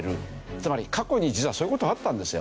つまり過去に実はそういう事があったんですよ。